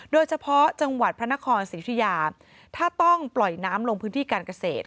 โดยเฉพาะจังหวัดพระนครศรียุธิยาถ้าต้องปล่อยน้ำลงพื้นที่การเกษตร